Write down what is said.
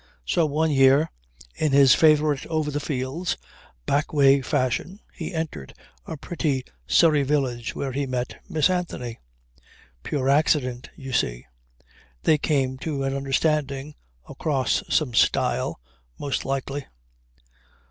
So one year, in his favourite over the fields, back way fashion he entered a pretty Surrey village where he met Miss Anthony. Pure accident, you see. They came to an understanding, across some stile, most likely.